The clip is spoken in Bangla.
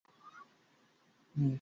ঠিক আছে, পুশ করতে থাকো।